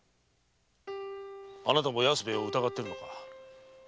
あなたも安兵衛を疑ってるのか？